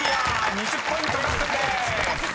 ２０ポイント獲得です］